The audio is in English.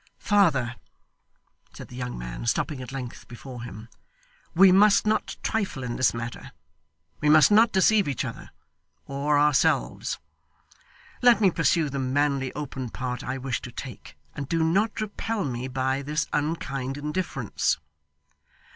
'Father,' said the young man, stopping at length before him, 'we must not trifle in this matter. We must not deceive each other, or ourselves. Let me pursue the manly open part I wish to take, and do not repel me by this unkind indifference.